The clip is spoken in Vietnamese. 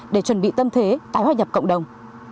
để chuẩn bị tâm thế tái hòa nhập cộng đồng